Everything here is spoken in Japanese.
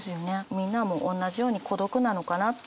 みんなもおんなじように孤独なのかなって。